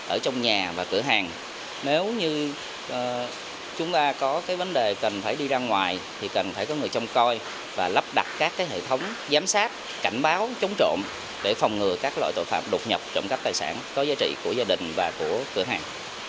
ở trong nhà và cửa hàng nếu như chúng ta có vấn đề cần phải đi ra ngoài thì cần phải có người trông coi và lắp đặt các hệ thống giám sát cảnh báo chống trộm để phòng ngừa các loại tội phạm đột nhập trộm cắp tài sản có giá trị của gia đình và của cửa hàng